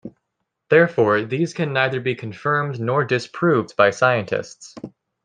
Therefore, these can neither be confirmed nor disproved by scientists.